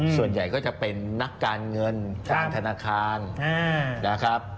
ส่วนใหญ่ก็จะเป็นนักการเงินของธนาคาร